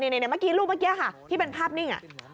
เมื่อกี้รูปเมื่อกี้ค่ะที่เป็นภาพนิ่ง